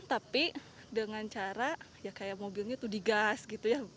tapi dengan cara ya kayak mobilnya itu digas gitu ya